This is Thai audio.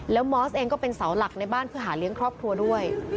แล้วมอสเองก็เป็นเสาหลักในบ้านเพื่อหาเลี้ยงครอบครัวด้วย